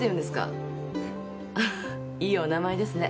いいお名前ですね。